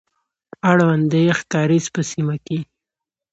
اړوند د يخ کاريز په سيمه کي،